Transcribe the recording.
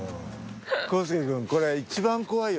浩介君これ一番怖いよ